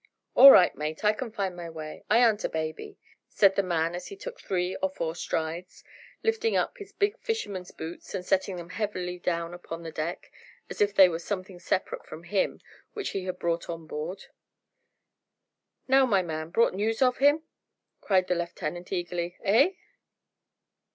"All right, mate; I can find my way; I aren't a baby," said the man as he took three or four strides, lifting up his big fisherman's boots, and setting them heavily down upon the deck as if they were something separate from him which he had brought on board. "Now, my man, brought news of him?" cried the lieutenant eagerly. "Eh?"